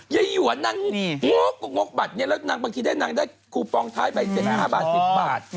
ไยหยวนนั่งหยวงกบัตรเนี่ยแล้วนางบางทีได้นางได้คูปองท้ายใบ๗ห้าบาท๑๐บาท